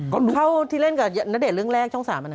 เข้าที่เล่นกับณเดชน์เรื่องแรกช่องสามันนั้น